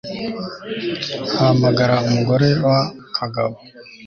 ahamagara umugore wa kagabo